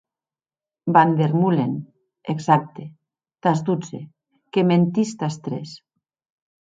Van der Meulen, exacte, tàs dotze, que mentís tàs tres.